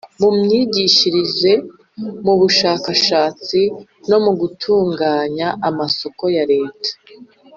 mu myigishirize mu bushakashatsi no mu gutunganya amasoko ya leta